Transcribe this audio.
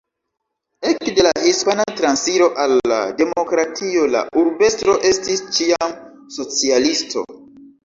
Ekde la Hispana Transiro al la demokratio la urbestro estis ĉiam socialisto.